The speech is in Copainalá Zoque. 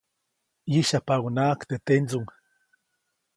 ʼYĩsyajpaʼunhnaʼajk teʼ tendsuŋ.